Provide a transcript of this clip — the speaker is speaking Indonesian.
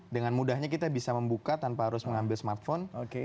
dengan mudahnya kita bisa membuka tanpa harus mengambil smartphone